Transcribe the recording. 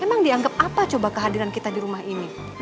emang dianggap apa coba kehadiran kita di rumah ini